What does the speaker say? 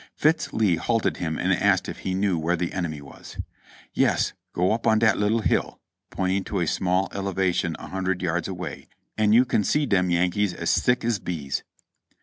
Fitz Lee halted him and asked if he knew where the enemy was. "Yes, go up on dat little hill," pointing to a small elevation a hundred yards away, "and you can see dem Yankees as thick as bees."